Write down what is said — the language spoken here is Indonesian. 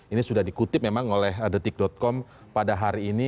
ini sudah dikutip memang oleh detik com pada hari ini